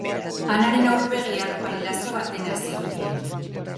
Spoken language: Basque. Anaren aurpegiak pailazo batena zirudien.